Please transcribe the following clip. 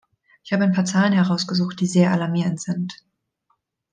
Ich habe ein paar Zahlen herausgesucht, die sehr alarmierend sind.